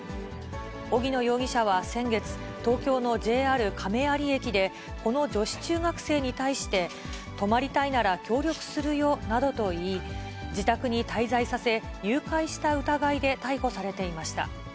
荻野容疑者は先月、東京のＪＲ亀有駅で、この女子中学生に対して、泊まりたいなら協力するよなどと言い、自宅に滞在させ、誘拐した疑いで逮捕されていました。